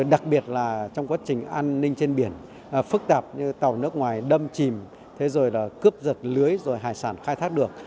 đặc biệt là trong quá trình an ninh trên biển phức tạp như tàu nước ngoài đâm chìm cướp giật lưới hải sản khai thác được